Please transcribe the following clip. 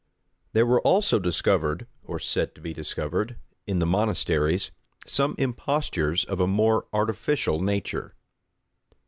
There were also discovered, or said to be discovered, in the monasteries some impostures of a more artificial nature.